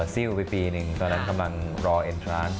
ซิลไปปีหนึ่งตอนนั้นกำลังรอเอ็นทรานซ์